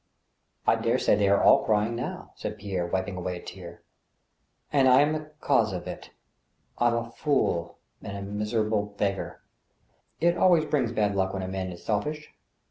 " I dare say they are all crying now," said Pierre, wiping away a tear, '* and I am the cause of it. I'm a fool and a miserable beggar. ... It always brings bad luck when a man is selfish